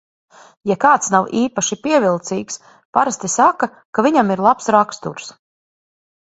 Ja kāds nav īpaši pievilcīgs, parasti saka, ka viņam ir labs raksturs.